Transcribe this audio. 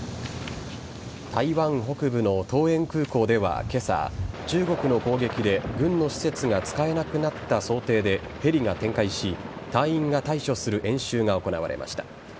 台湾北部の桃園空港では今朝中国の攻撃で軍の施設が使えなくなった想定でヘリが展開し隊員が対処する演習が行われました。